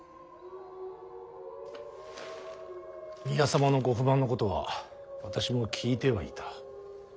宮様のご不満のことは私も聞いてはいた。